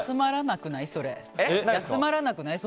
休まらなくない？